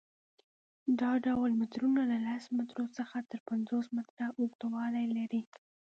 دا ډول مترونه له لس مترو څخه تر پنځوس متره اوږدوالی لري.